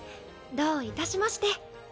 どういたしまして。